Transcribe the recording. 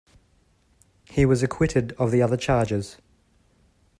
He was acquitted of the other charges.